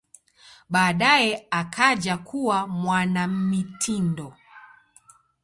Baadaye akaja kuwa mwanamitindo.